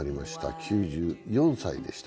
９４歳でした。